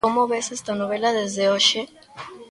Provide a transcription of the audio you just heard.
Como ves esta novela desde hoxe?